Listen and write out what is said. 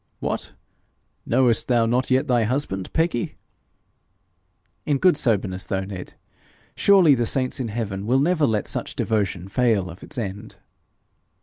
'What! know'st thou not yet thy husband, Peggy?' 'In good soberness, though, Ned, surely the saints in heaven will never let such devotion fail of its end.'